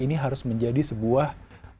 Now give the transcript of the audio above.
ini harus menjadi sebuah